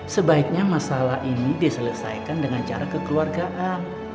sebaiknya masalah ini diselesaikan dengan cara kekeluargaan